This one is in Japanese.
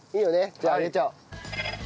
じゃあ上げちゃおう。